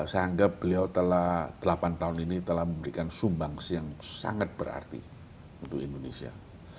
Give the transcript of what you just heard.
saya anggap beliau telah delapan tahun ini telah memberikan sumbangsi yang sangat berarti untuk indonesia